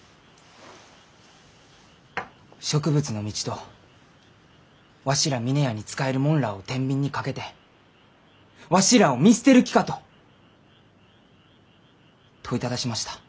植物の道とわしら峰屋に仕える者らあをてんびんにかけて「わしらあを見捨てる気か？」と問いただしました。